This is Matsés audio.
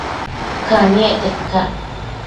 Caniecta icac?